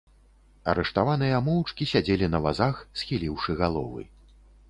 Арыштаваныя моўчкі сядзелі на вазах, схіліўшы галовы.